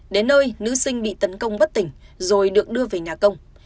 đến nơi nữ sinh bị tấn công bất tỉnh rồi được đưa về nhà công